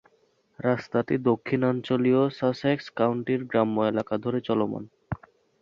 রাস্তাটি দক্ষিণাঞ্চলীয় সাসেক্স কাউন্টির গ্রাম্য এলাকা ধরে চলমান।